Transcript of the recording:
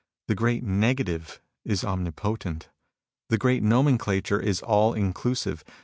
The great Negative is omnipotent. The great Nomenclature is all inclusive.